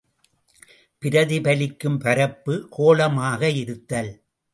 பிரதிபலிக்கும் பரப்பு கோளமாக இருத்தல்.